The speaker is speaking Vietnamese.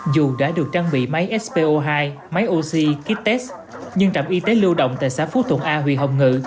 dù đã được trang bị máy spo hai máy oxy kit test nhưng trạm y tế lưu động tại xã phú thuận a huy hồng ngự